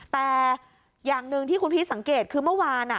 แต่อย่างหนึ่งที่คุณพีชสังเกตคือเมื่อวาน